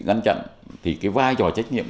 ngăn chặn thì cái vai trò trách nhiệm